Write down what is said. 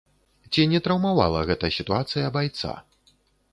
Ці не траўмавала гэта сітуацыя байца?